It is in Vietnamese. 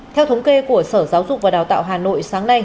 theo thống kê của sở giáo dục và đào tạo hà nội sáng nay